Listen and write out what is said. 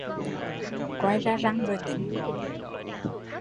Coi ra răng rồi tính